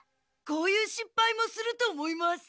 こういうしっぱいもすると思います。